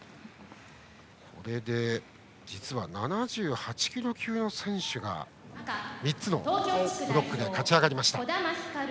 これで実は７８キロ級の選手が３つのブロックで勝ち上がりました。